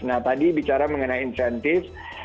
nah tadi bicara mengenai insentif